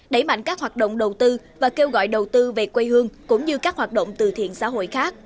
đẩy mạnh các hoạt động đầu tư và kêu gọi đầu tư về quê hương cũng như các hoạt động từ thiện xã hội khác